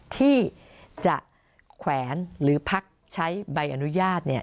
ที่จะแขวนหรือพักใช้ใบอนุญาต